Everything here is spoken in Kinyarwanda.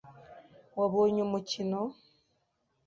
Wabonye umukino?